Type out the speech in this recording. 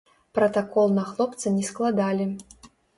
Пратакол на хлопца не складалі.